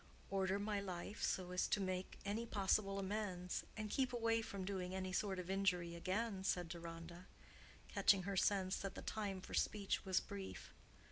"Order my life so as to make any possible amends, and keep away from doing any sort of injury again," said Deronda, catching her sense that the time for speech was brief.